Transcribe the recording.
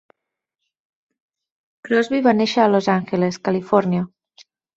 Crosby va néixer a Los Angeles, Califòrnia.